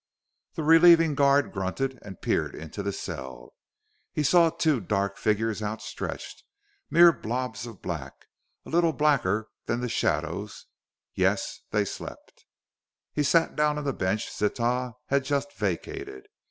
The relieving guard grunted and peered into the cell. He saw two dark figures outstretched, mere blobs of black, a little blacker than the shadows. Yes, they slept.... He sat down on the bench Sitah had just vacated.